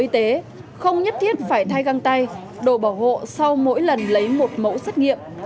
y tế không nhất thiết phải thay găng tay đồ bảo hộ sau mỗi lần lấy một mẫu xét nghiệm